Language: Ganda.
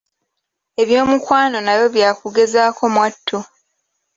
Ebyomukwano nabyo byakugezaako mwattu.